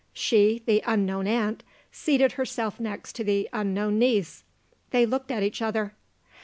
She, the unknown aunt, seated herself next to the unknown niece. They looked at each other.